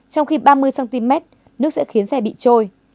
trong khi ba mươi cm nước sẽ khiến xe bị trôi